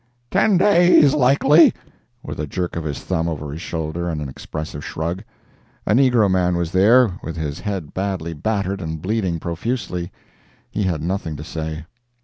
"Ten days, likely," (with a jerk of his thumb over his shoulder, and an expressive shrug). A negro man was there, with his head badly battered and bleeding profusely. He had nothing to say.